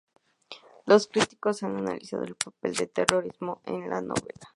Los críticos han analizado el papel del terrorismo en la novela.